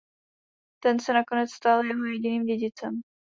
Ten se nakonec stal jeho jediným dědicem.